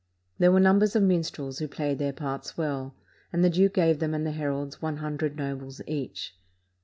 There were num bers of minstrels, who played their parts well ; and the duke gave them and the heralds one hundred nobles^ each.